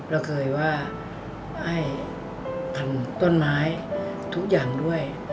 เราเคยว่าให้ทำต้นไม้ทุกอย่างด้วย